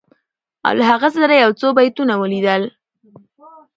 او له هغه سره یو څو بیتونه ولیدل